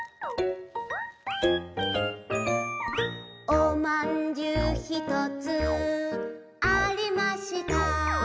「おまんじゅうひとつありました」